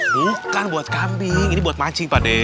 bukan buat kambing ini buat mancing pade